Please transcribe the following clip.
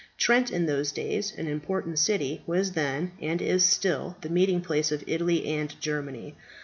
Trent, in those days an important city, was then, and is still, the meeting place of Italy and Germany.